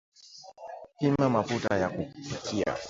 Pima mafuta ya kupikia